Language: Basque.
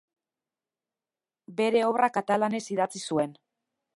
Bere obra katalanez idatzi zuen.